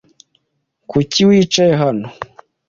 Kuki wicaye hano?